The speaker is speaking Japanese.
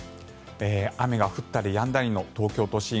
雨が降ったりやんだりの東京都心。